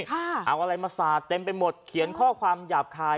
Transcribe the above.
เอาอะไรมาสาดเต็มไปหมดเขียนข้อความหยาบคาย